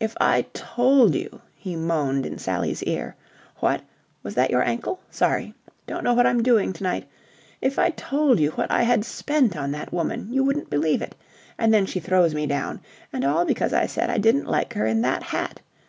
"If I told you," he moaned in Sally's ear, "what... was that your ankle? Sorry! Don't know what I'm doing to night... If I told you what I had spent on that woman, you wouldn't believe it. And then she throws me down. And all because I said I didn't like her in that hat.